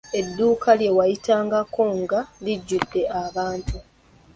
Edduuka lye wayitangako nga lijjudde abantu.